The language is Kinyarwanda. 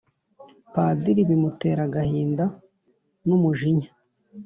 padiri bimutera agahinda n'umujinya,